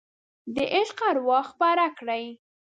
د عشق اروا خپره کړئ